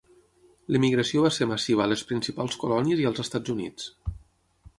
L'emigració va ser massiva a les principals colònies i als Estats Units.